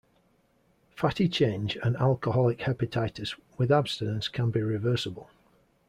Fatty change and alcoholic hepatitis with abstinence can be reversible.